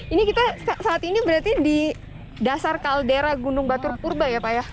ini kita saat ini berarti di dasar kaldera gunung batur purba ya pak ya